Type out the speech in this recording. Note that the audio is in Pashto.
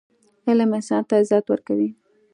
علم انسان ته عزت ورکوي.